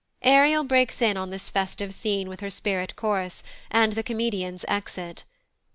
Ariel breaks in on this festive scene with her spirit chorus, and the comedians exit.